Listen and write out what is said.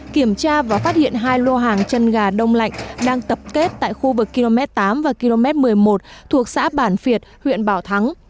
kiểm tra và phát hiện hai lô hàng chân gà đông lạnh đang tập kết tại khu vực km tám và km một mươi một thuộc xã bản việt huyện bảo thắng